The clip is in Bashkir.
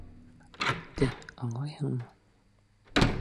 Үтте, аңлайһыңмы?